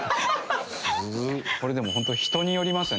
これでもホント人によりますよね。